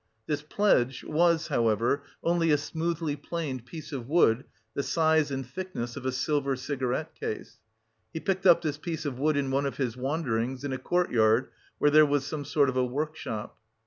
This pledge was, however, only a smoothly planed piece of wood the size and thickness of a silver cigarette case. He picked up this piece of wood in one of his wanderings in a courtyard where there was some sort of a workshop.